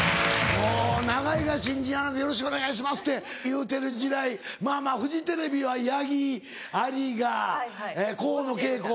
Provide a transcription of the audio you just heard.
もう永井が新人アナで「よろしくお願いします」って言うてる時代フジテレビは八木有賀河野景子。